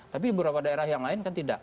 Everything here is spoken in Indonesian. tapi beberapa daerah yang lain kan tidak